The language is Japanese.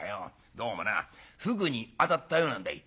どうもなふぐにあたったようなんだい」。